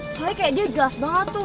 soalnya kayak dia jelas banget tuh